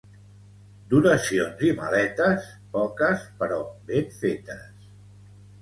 D'oracions i maletes, poques però ben fetes.